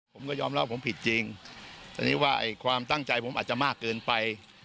ผมก็ยอมเล่าผมผิดจริงว่าความตั้งใจผมอาจจะมากเกินไป